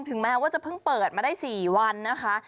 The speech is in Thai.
แม้ว่าจะเพิ่งเปิดมาได้๔วันนะคะ